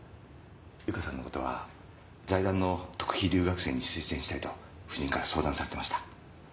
由香さんのことは財団の特費留学生に推薦したいと夫人から相談されてました。